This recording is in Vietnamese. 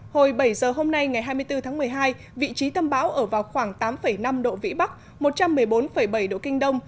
hồi bảy giờ hôm nay ngày hai mươi bốn tháng một mươi hai vị trí tâm bão ở vào khoảng tám năm độ vĩ bắc một trăm một mươi bốn bảy độ kinh đông